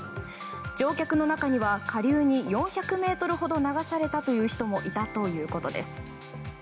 乗客の中には下流に４００ｍほど流されたという人もいたということです。